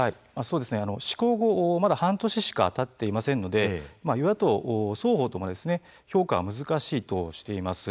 施行後、まだ半年しかたっていませんので与野党双方とも評価は難しいとしています。